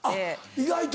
意外と。